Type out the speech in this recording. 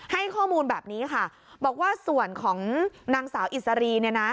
ให้ข้อมูลแบบนี้ค่ะบอกว่าส่วนของนางสาวอิสรีเนี่ยนะ